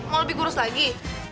mau lebih kurus lagi